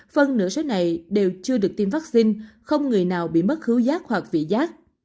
phần nửa số này đều chưa được tiêm vaccine không người nào bị mất hữu giác hoặc vị giác